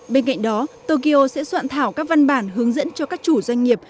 bên cạnh đó tokyo sẽ soạn thảo các văn bản hướng dẫn cho các chủ doanh nghiệp